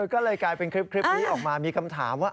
ก็เลยกลายเป็นคลิปนี้ออกมามีคำถามว่า